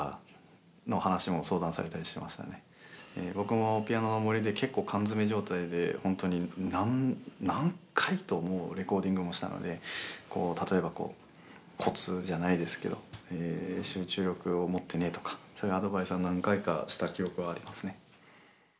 僕も「ピアノの森」でけっこう缶詰め状態でほんとに何何回とレコーディングもしたので例えばこうコツじゃないですけど「集中力を持ってね」とかそういうアドバイスは何回かした記憶はありますね。